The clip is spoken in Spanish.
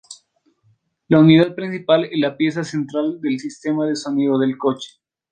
La unidad principal es la pieza central del sistema de sonido del coche.